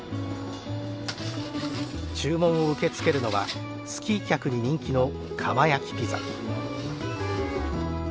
注文を受け付けるのはスキー客に人気の窯焼きピザ。